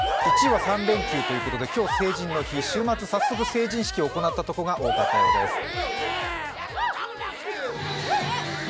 １位は３連休ということで、今日、成人の日、週末、早速成人式を行ったところが多かったようです。